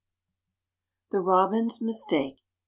THE ROBIN'S MISTAKE.